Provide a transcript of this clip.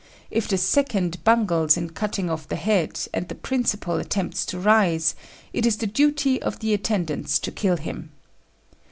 If the second bungles in cutting off the head and the principal attempts to rise, it is the duty of the attendants to kill him.